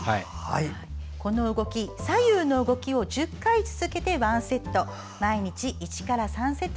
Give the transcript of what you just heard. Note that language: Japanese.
この左右の動きを１０回続けて１セット。